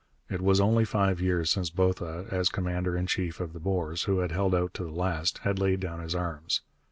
It was only five years since Botha, as commander in chief of the Boers who had held out to the last, had laid down his arms.